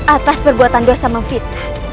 atas perbuatan dosa memfitnah